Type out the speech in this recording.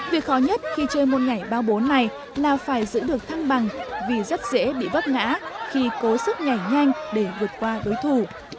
việc khó nhất khi chơi môn nhảy bao bốn này là phải giữ được thăng bằng vì rất dễ bị vấp ngã khi cố sức nhảy nhanh để vượt qua đối thủ